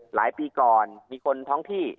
หลายปีก่อนมีคนท้องที่